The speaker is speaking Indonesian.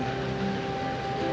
kalau aku akan menang